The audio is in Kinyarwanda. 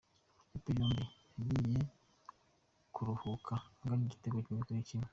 Amakipe yombi yagiye kuruhuka anganya igitego kimwe kuri kimwe.